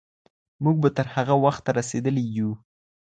موږ به تر هغه وخته رسېدلي یو.